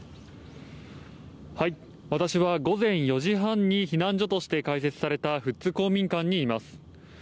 私は午前４時半に避難所として開設された富津公民館にいます。